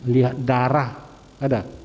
lihat darah enggak